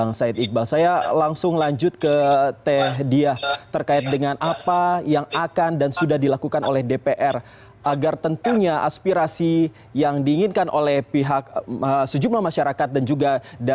maupun kepada direktur utama pertamina